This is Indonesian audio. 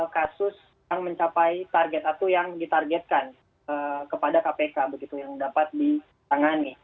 kasus yang mencapai target atau yang ditargetkan kepada kpk begitu yang dapat ditangani